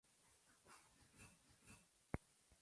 La gracia viene de una familia de músicos.